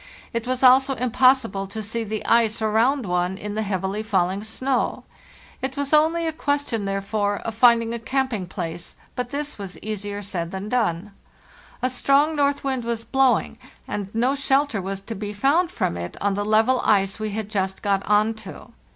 It was also impossible to see the ice around one in the heavily falling snow. It was only a question, therefore, of finding a camping place, but this was easier said than done. A strong north wind was blowing, and no shelter was to be found from it on the level ice we had just got on to.